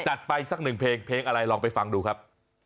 ไปสักหนึ่งเพลงเพลงอะไรลองไปฟังดูครับ